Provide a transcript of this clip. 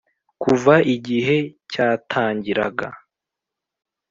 kuva igihe cyatangiraga